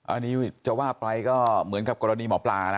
อันนี้จะว่าไปก็เหมือนกับกรณีหมอปลานะ